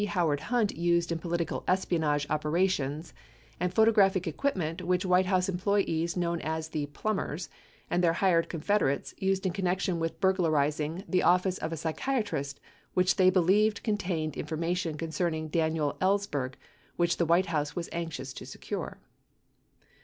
Howard Hunt used in political espionage operations, and photographic equipment which White House employees known as the "Plumbers" and their hired confederates used in connection with burglarizing the office of a psychiatrist which they believed contained information concerning Daniel Ellsberg which the White House was anxious to secure.